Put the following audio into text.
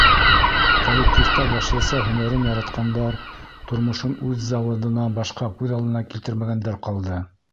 Коллективта башлыса һөнәрен яратҡандар, тормошон үҙ заводынан башҡа күҙ алдына килтермәгәндәр ҡалды.